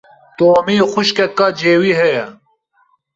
Tomî xwişkeke cêwî heye.